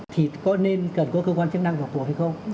thì có nên cần có cơ quan chức năng vọc bộ hay không